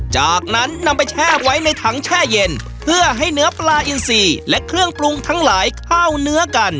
จากนั้นนำไปแช่ไว้ในถังแช่เย็นเพื่อให้เนื้อปลาอินซีและเครื่องปรุงทั้งหลายเข้าเนื้อกัน